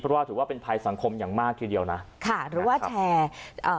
เพราะว่าถือว่าเป็นภัยสังคมอย่างมากทีเดียวนะค่ะหรือว่าแชร์อ่า